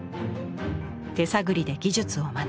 手探りで技術を学び